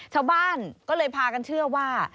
ชาวบ้านก็เลยพากันเชื่อว่า